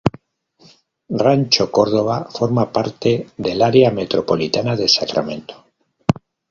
Rancho Cordova forma parte del área metropolitana de Sacramento.